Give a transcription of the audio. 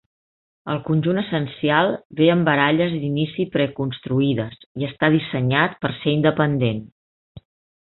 El conjunt essencial ve amb baralles d'inici pre-construïdes i està dissenyat per ser independent.